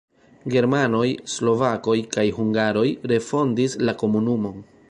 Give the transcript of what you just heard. Germanoj, slovakoj kaj hungaroj refondis la komunumon.